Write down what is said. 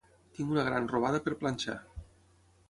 Tinc una gran robada per planxar.